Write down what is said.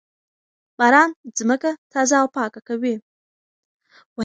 باران ځمکه تازه او پاکه کوي.